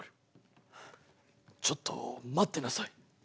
ちょっと待ってなさい。